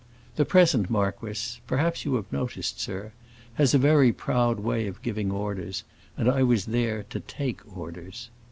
The present marquis—perhaps you have noticed, sir—has a very proud way of giving orders, and I was there to take orders.